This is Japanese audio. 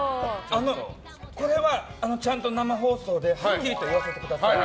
これは、ちゃんと生放送ではっきりと言わせてください。